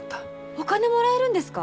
お金もらえるんですか？